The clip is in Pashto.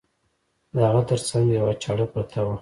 د هغه تر څنګ یوه چاړه پرته وه.